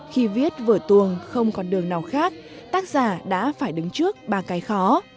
khi viết vở tuồng không còn đường nào khác tác giả đã phải đứng trước ba cái khó